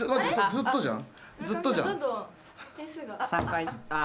ずっとじゃん。